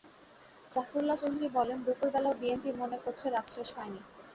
জাফরুল্লাহ চৌধুরী বলেন, দুপুর বেলাও বিএনপি মনে করছে রাত শেষ হয়নি।